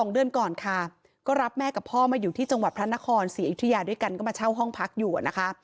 ๒เดือนก่อนค่ะก็รับแม่กับพ่อมาอยู่ที่จังหวัดพระนครศรีอยุธยาด้วยกันก็มาเช่าห้องพักอยู่นะคะ